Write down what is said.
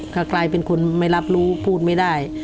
ก็กลายเป็นคนไม่รับรู้พูดไม่ได้